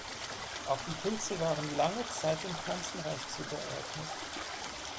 Auch die Pilze waren lange Zeit dem Pflanzenreich zugeordnet.